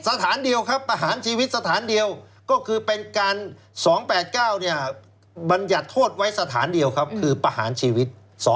สถานเดียวครับประหารชีวิตสถานเดียวก็คือเป็นการ๒๘๙บรรยัติโทษไว้สถานเดียวครับคือประหารชีวิต